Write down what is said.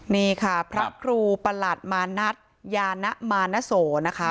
นี่ค่ะพระครูประหลัดมานัทยานะมานโสนะคะ